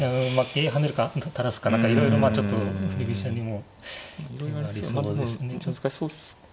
桂跳ねるか垂らすか何かいろいろまあちょっと振り飛車にも受けがありそうですね。